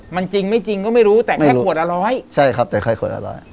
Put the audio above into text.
มันจริงไม่จริงก็ไม่รู้แต่แค่ขวดละร้อย